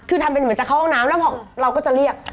คือทำเป็นเหมือนจะเข้าห้องน้ำแล้วพอเราก็จะเรียก